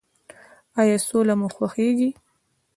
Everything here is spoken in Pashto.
ایا سوله مو خوښیږي؟